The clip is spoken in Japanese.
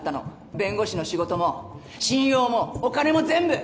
弁護士の仕事も信用もお金も全部。